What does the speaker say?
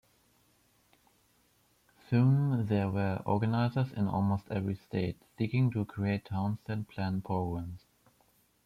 Soon there were organizers in almost every state seeking to create Townsend Plan programs.